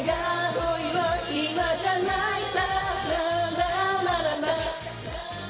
「恋は暇じゃないさ」